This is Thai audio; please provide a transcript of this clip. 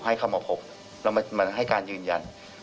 ให้คำอภพแล้วมันให้การยืนยัน